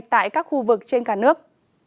của các khu vực trên cả nước